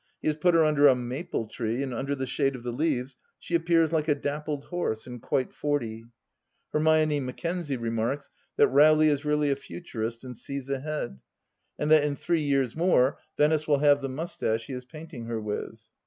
He has put her under a maple tree, and under the shade of the leaves she appears like a dappled horse, and quite forty. Hermione Mackenzie remarks that Rowley is really a Futurist and sees ahead, and that in three years more Venice will have the moustache he is painting her with.